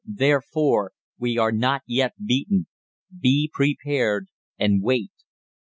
Therefore WE ARE NOT YET BEATEN! BE PREPARED, AND WAIT.